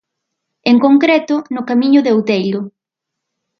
En concreto, no Camiño de Outeiro.